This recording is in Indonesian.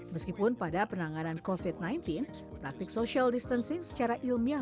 meskipun pada penanganan kofit sembilan belas praktik social distancing secara ilmiah